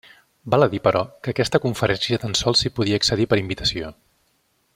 Val a dir, però, que a aquesta conferència tan sols s'hi podia accedir per invitació.